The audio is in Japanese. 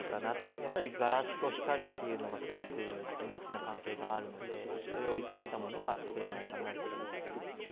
やっぱりガラスと光というのはすごく綿密な関係があるので、それを生かしたものが作れないかなと。